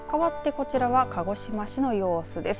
こちらは和歌山市の様子です。